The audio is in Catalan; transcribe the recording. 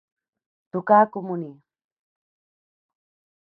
Tocar a comunir.